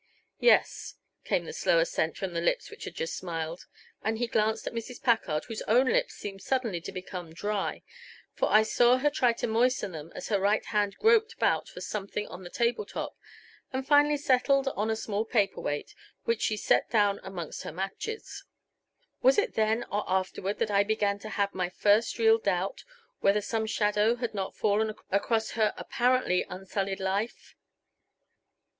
"Yes," came in slow assent from the lips which had just smiled, and he glanced at Mrs. Packard whose own lips seemed suddenly to become dry, for I saw her try to moisten them as her right hand groped about for something on the tabletop and finally settled on a small paper weight which she set down amongst her matches. Was it then or afterward that I began to have my first real doubt whether some shadow had not fallen across her apparently unsullied life?